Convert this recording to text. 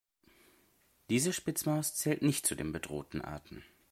Diese Spitzmaus zählt nicht zu den bedrohten Arten.